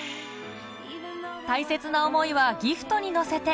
大切な思いはギフトに乗せて